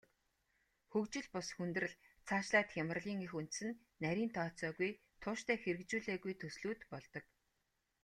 Хөгжил бус хүндрэл, цаашлаад хямралын эх үндэс нь нарийн тооцоогүй, тууштай хэрэгжүүлээгүй төслүүд болдог.